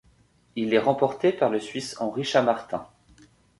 Il est remporté par le Suisse Henri Chammartin.